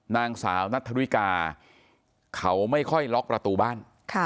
นางสาวนัทธริกาเขาไม่ค่อยล็อกประตูบ้าน